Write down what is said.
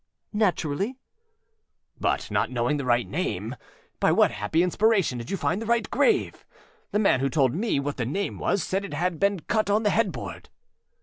â âNaturally.â âBut not knowing the right name, by what happy inspiration did you find the right grave? The man who told me what the name was said it had been cut on the headboard.